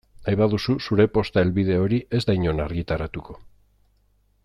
Nahi baduzu zure posta helbide hori ez da inon argitaratuko.